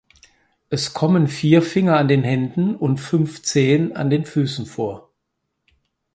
Es kommen vier Finger an den Händen und fünf Zehen an den Füßen vor.